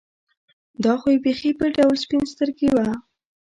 دا خو یې بېخي بل ډول سپین سترګي وه.